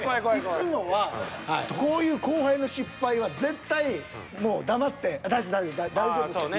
いつもはこういう後輩の失敗は絶対もう黙って大丈夫大丈夫って。